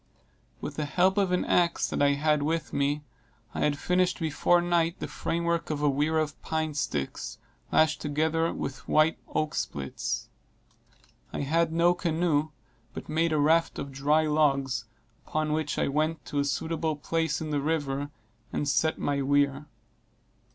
With the help of an axe that I had with me, I had finished before night the frame work of a weir of pine sticks, lashed together with white oak splits. I had no canoe, but made a raft of dry logs, upon which I went to a suitable place in the river and set my weir.